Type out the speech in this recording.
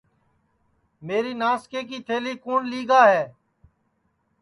میری ناسکے کی تھلی کُوٹؔ لیگا ہے